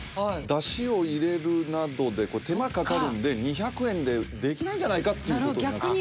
出汁を入れるなどでこれ手間かかるんで２００円でできないんじゃないかっていうことになった